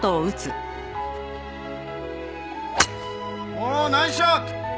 おおナイスショット！